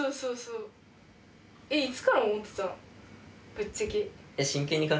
ぶっちゃけ。